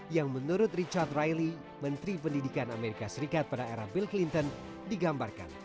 yang menurut richard rily menteri pendidikan amerika serikat pada era bill clinton digambarkan